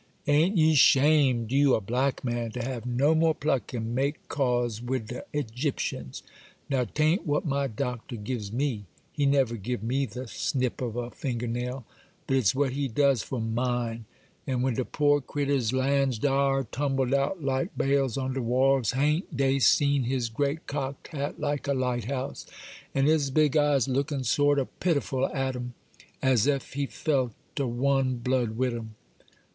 A'n't ye 'shamed—you, a black man—to have no more pluck and make cause wid de Egyptians? Now, 'ta'n't what my Doctor gives me,—he never giv' me the snip of a finger nail,—but it's what he does for mine; and when de poor critturs lands dar, tumbled out like bales on de wharves, ha'n't dey seen his great cocked hat, like a lighthouse, and his big eyes lookin' sort o' pitiful at 'em, as ef he felt o' one blood wid 'em?